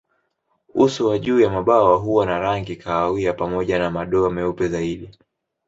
Uso wa juu wa mabawa huwa na rangi kahawia pamoja na madoa meupe zaidi.